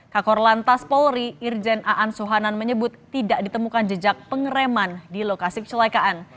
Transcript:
kakor lantas polri irjen aan sohanan menyebut tidak ditemukan jejak pengereman di lokasi kecelakaan